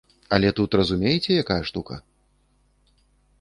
Але тут разумееце якая штука?